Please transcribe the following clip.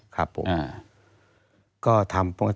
ตั้งแต่ปี๒๕๓๙๒๕๔๘